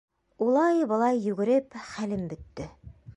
Улай-былай йүгереп хәлем бөттө.